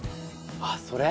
あっそれ？